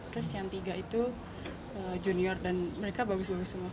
terus yang tiga itu junior dan mereka bagus bagus semua